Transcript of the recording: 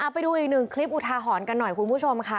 ไปดูอีกหนึ่งคลิปอุทาหรณ์กันหน่อยคุณผู้ชมค่ะ